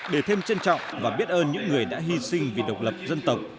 để thêm trân trọng và biết ơn những người đã hy sinh vì độc lập dân tộc